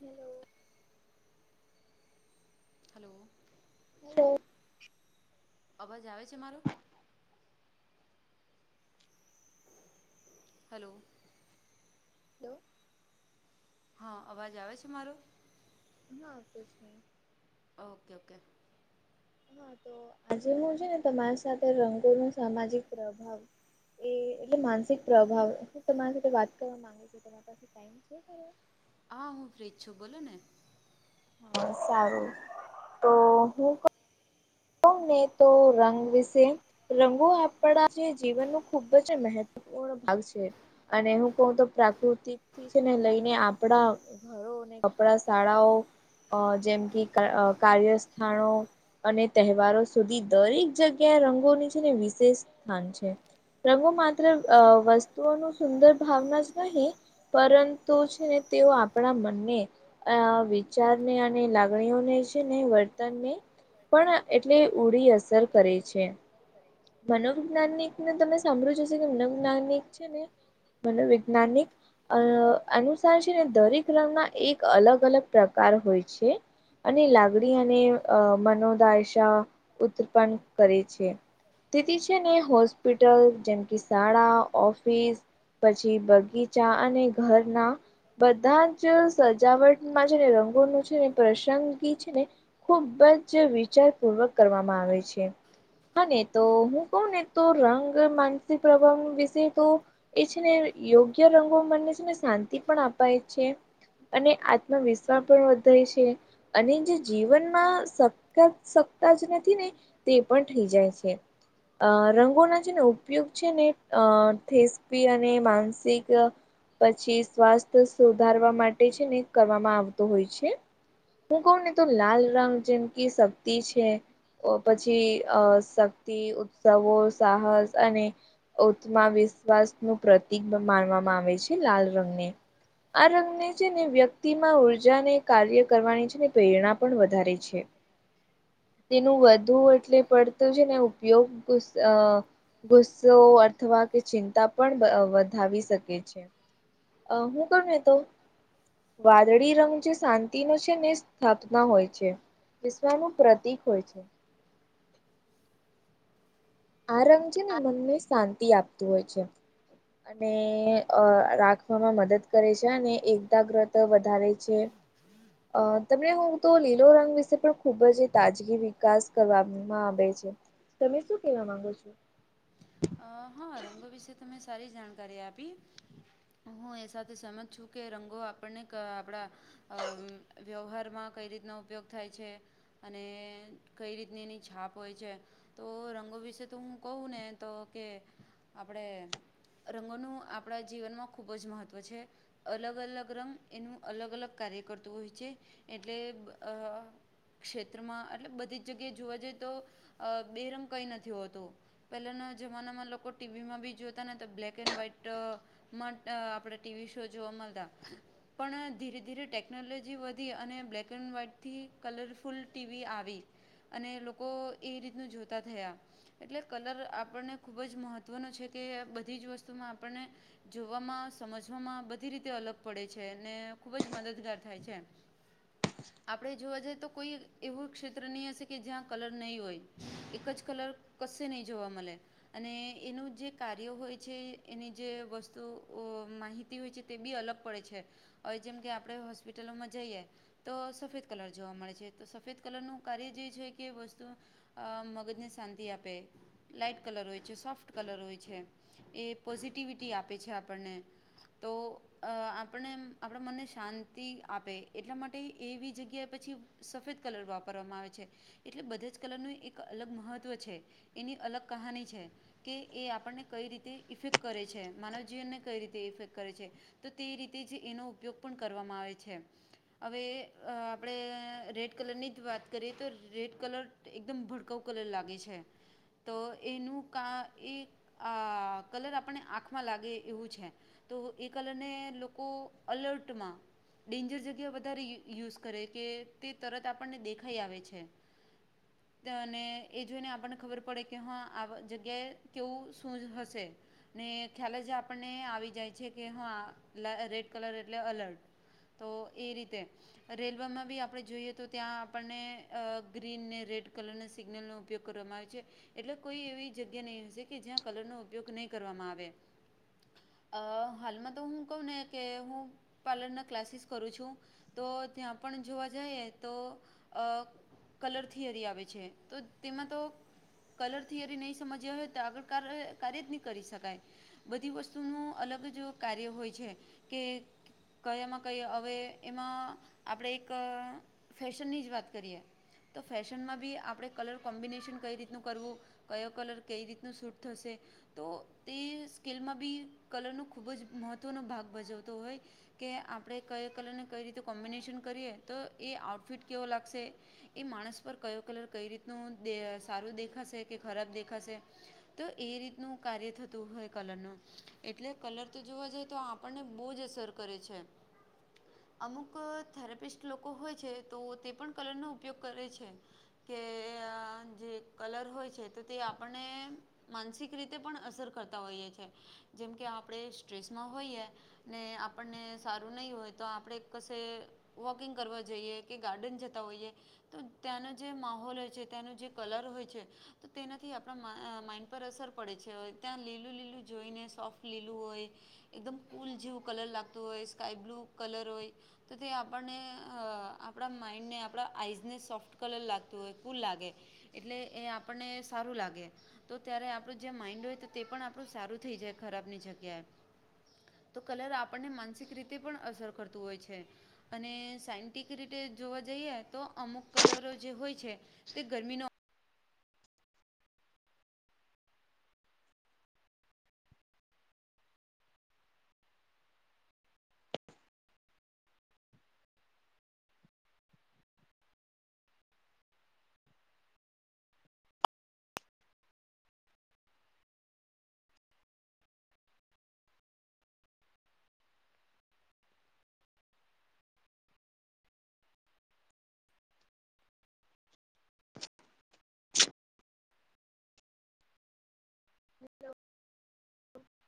Hello hello હ અવાજ આવે છે મારો? હલો હલો હા અવાજ આવે છે મારો? ના આવતો છે. ઓકે ઓકે હા તો આજે હું છે ને તમારી સાથે રંગોનું સામાજિક પ્રભાવ એ એટલે માનસિક પ્રભાવ હું તમારી સાથે વાત કરવા માંગુ છું તમા પાસે ટાઈમ છે ખરો હા હું ફ્રીજ છું બોલો ને સારું તો હું કવ ને તો રંગ વિશે રંગો આપણા જે જીવનનું ખૂબ જ મહત્વ પૂર્ણ ભાગ છે અને હું કહું તો પ્રાકૃતિકથી છે ને લઈને આપડા ઘરો અને કપડાં શાળાઓ અ જેમ કે અ કાર્યસ્થાણો અને તહેવારો સુધી દરેક જગ્યાએ રંગોની છે ને વિશેષ સ્થાન છે. રંગો માત્ર વસ્તુઓનું સુંદર ભાવના જ નહીં. પરંતુ છે ને તેઓ આપણા મનને અ વિચારને અને લાગણીઓને છે ને વર્તનને પણ એટલે ઉડી અસર કરે છે. મનોવૈજ્ઞાનિકને તમે સાંભળ્યું હશે કે મનોવૈજ્ઞાનિક છે ને મનોવૈજ્ઞાનિક અ અનુસાર છે ને દરેક રંગના એક અલગ અલગ પ્રકાર હોય છે. અને લાગણી અને અ મનોદાશા ઉત્પન્ન કરે છે. તેથી છે ને હોસ્પિટલ જેમ કે શાળા ઓફિસ પછી બગીચા અને ઘરનાં બધાં જ સજાવટમાં છે ને રંગોનું છે ને પ્રસંગી છે ને ખૂબ જ વિચારપૂર્વક કરવામાં આવે છે અને તો હું કવ ને તો રંગ માનસિક પ્રભાવ વિશે તો એ છે ને યોગ્ય રંગો મનને છે ને શાંતિ પણ આપાય છે. અને આત્મવિશ્વા પણ વધેય છે. અને જે જીવનમાં સકતા સકતા જ નથી ને તે પણ થઈ જાય છે. અ રંગોના જેને ઉપયોગ છે ને થેસ્પી અને માનસિક પછી સ્વાસ્થ્ય સુધારવા માટે છે ને કરવામાં આવતો હોય છે હું કહું ને તો લાલ રંગ જેમ કે શક્તિ છે તો પછી અ શક્તિ ઉત્સવો સાહસ અને ઉત્મા વિશ્વાસ નું પ્રતિક માનવામાં આવે છે લાલ રંગને આ રંગને છે ને વ્યક્તિ માં ઉર્જાને કાર્ય કરવાની છે ને પ્રેરણા પણ વધારે છે તેનું વધુ એટલે પડતો છે ને ઉપયોગ ઉસ ગુસ્સો અથવા કે ચિંતા પણ વધાવી શકે છે અ હું કઉં ને તો વાદળી રંગ જે શાંતિનો છે ને સ્થાપના હોય છે વિશ્વનું પ્રતિક હોય છે આ રંગ છે ને મનને શાંતિ આપતું હોય છે ને અ રાખવામાં મદદ કરે છે અને એકતા પ્રત્યે વધારે છે અ તમને હું તો લીલો રંગ વિશે પણ ખુબ તાજગી વિકાસ કરવાનું હા આવે છે તમે શું કેવા માંગો છો હા હા રંગો વિશે તમે સારી જાણકારી આપી હું એ સાથે સમજ છું કે રંગો આપણને કે આપડા અમ વ્યવહારમાં કઈ રીતનો ઉપયોગ થાય છે અને કઈ રીતની એની છાપ હોય છે તો રંગો વિશે તો હું કહું ને તો કે આપડે રંગોનું આપડા જીવનમાં ખૂબ જ મહત્વ છે અલગ અલગ રંગ એનું અલગ અલગ કાર્ય કરતું હોય છે એટલે અ ક્ષેત્રમાં એટલે બધી જ જગ્યાએ જોવા જઈએ તો બેરમ કંઈ નથી હોતો પહેલાંના જમાનામાં લોકો ટીવીમાં બી જોતા ને તો બ્લેક એન્ડ વ્હાઈટ માં ટ આપડે ટીવી શો જોવા મળતા પણ ધીરે ધીરે ટેકનોલોજી વધી અને બ્લેક એન્ડ વ્હાઈટથી કલરફુલ ટીવી આવી અને લોકો એ રીતનું જોતા થયા એટલે કલર આપણને ખૂબ જ મહત્ત્વનો છે કે બધી જ વસ્તુમાં આપણને જોવામાં સમજવામાં બધી રીતે અલગ પડે છે અનેને ખૂબ જ મદદગાર થાય છે આપડે જોવા જઈએ તો કોઈ એવું ક્ષેત્ર નહી હશે કે જ્યાં કલર નહીં હોય એક જ કલર તે નહી જોવા મળે અને એનું જે કાર્ય હોય છે એની જે વસ્તુ માહિ હોય છે તે બી અલગ પડે છે હવે જેમ કે આપણે હોસ્પિટલોમાં જઈએ તો સફેદ કલર જોવા મળે છે તો સફેદ કલરનું કાર્ય જે છે કે વસ્તુ મગજને શાંતિ આપે લાઈટ કલર હોય છે. સોફ્ટ કલર હોય છે. એ પોઝિટિવિટી આપે છે આપણને. તો આપણે આપણા મનને શાંતિ આપે એટલા માટે એવી જગ્યાએ પછી સફેદ કલર વાપરવામાં આવે છે. એટલે બધા જ કલર નું એક અલગ મહત્વ છે. એની અલગ કહાની છે. કે એ આપણને કઈ રીતે ઇફેક્ટ કરે છે. માનવ જીવનને કઈ રીતે ઇફેક્ટ કરે છે. તો તે રીતે જ એનો ઉપયોગ પણ કરવામાં આવે છે. હવે આપણે રેડ કલરની જ વાત કરીએ તો રેડ કલર તે એકદમ ભડકાઉ કલર લાગે છે. તો એનું કા એ આ કલર આપણે આંખમાં લાગે એવું છે. તો એ કલરને લોકો અલર્ટમાં ડેન્જર જગ્યા વધારે યુઝ કરે કે તે તરત આપણને દેખાઈ આવે છે. અને એ જોઈને આપણને ખબર પડે કે હા આ જગ્યાએ કેવું શું હશે. ને ખ્યાલ જ આપણને આવી જાય છે કે હા રેડ કલર એટલે અલર્ટ. તો એ રીતે રેલવેમાં બી આપણે જોઈએ તો ત્યાં આપણને અ ગ્રીન ને રેડ કલરના સિગ્નલનો ઉપયોગ કરવામાં આવે છે. એટલે કોઈ એવી જગ્યા નહીં હશે કે જ્યાં કલરનો ઉપયોગ નહીં કરવામાં આવે. અ હાલમાં તો હું કહું ને કે હું પાર્લરના ક્લાસીસ કરું છું. તો ત્યાં પણ જોવા જઈએ તો અ કલરથી થિયરી આવે છે. તો તેમાં તો કલર થિયરી નહી સમજ્યા હોય તો આગળ કાર્ય જ નહી કરી શકાય. બધી વસ્તુનુ અલગ જ કાર્ય હોય છે કે કયામાં કઈ હવે એમાં આપણે એક ફેશનની જ વાત કરીએ. તો ફેશનમાં બી આપણે કલર કોમ્બિનેશન કઈ રીતે કરવું કયો કલર કઈ રીતનું સૂટ થશે? તો તે સ્કીલ માં બી કલરનો ખૂબ જ મહત્વનો ભાગ ભજવતો હોય. કે આપણે કઈ કલર ને કઈ રીતે કોમ્બિનેશન કરીએ તો એ આઉટફિટ કેવો લાગશે. એ માણસ પર કયો કલર કઈ રીતનું દે સારું દેખાશે કે ખરાબ દેખાશે. તો એ રીતનું કાર્ય થતું હોય કલર નું એટલે કલર તો જોવા જાય તો આપણને બહુ જ અસર કરે છે. હ [inaudible] અમુક થેરેપિસ્ટ લોકો હોય છે તો તે પણ કલરનો ઉપયોગ કરે છે. કે અ જે કલર હોય છે તો તે આપણને માનસિક રીતે પણ અસર કરતા હોઈએ છે. જેમ કે આપડે સ્ટ્રેસમાં હોઈએ ને આપણને સારું નહી હોય તો આપણે કશે વોકિંગ કરવા જઈએ કે ગાર્ડન જતા હોઈએ. તો તે્યાંનો જે માહોલ હોય છે. તે્યાંનો જે કલર હોય છે. તો તેનાથી આપણા અ માઈન્ડ પર અસર પડે છે. ત્યાં લીલું લીલું જોઈને સોફ્ટ લીલું હોય એકદમ કુલ જેવું કલર લાગતું હોય સ્કાય બ્લુ કલર હોય તો તે આપણને અ આપણા માઈન્ડને આપણા આઈઝને સોફ્ટ કલર લાગતું હોય ખુ લાગે એટલે એ આપણને સારું લાગે. તો ત્યારે આપણું જે માઈન્ડ હોય તો તે પણ આપણું સારું થઈ જાય ખરાબ ની જગ્યાએ. તો કલર આપણને માનસિક રીતે પણ અસર કરતું હોય છે. અને સાયન્ટિક રીતે જોવા જઈએ તો અમુક કલરો જે હોય છે. તે ગરમી નો [inaudible]